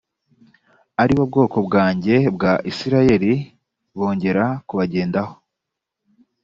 ari bo bwoko bwanjye bwa isirayeli bongera kubagendaho